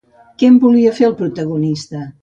Què en volia fer el protagonista?